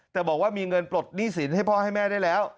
แต่บอกว่ามีเงินปลดหนี้สินให้พ่อให้แม่ได้แล้ว